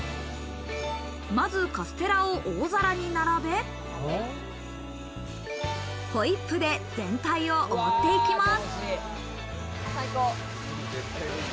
まずカステラを大皿に並べ、ホイップで全体を覆っていきます。